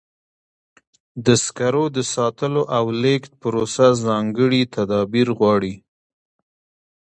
د سکرو د ساتلو او لیږد پروسه ځانګړي تدابیر غواړي.